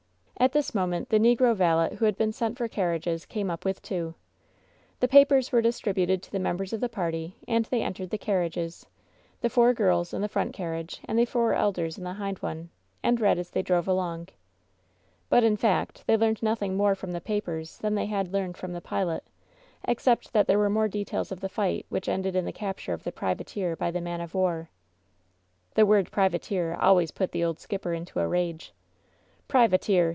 At this moment the negro valet who had been sent for carriages came up with two. The papers were distributed to the members of the party and they entered the carriages, the four girls in the front carriage, and the four elders in the hind one — and read as they drove along. But, in fact, they learned nothing more from the pa pers than they had learned from the pilot, except that there were more details of the fight which ended in the capture of the privateer by the man of war. This word "privateer'' always put the old skipper into a rage. "Privateer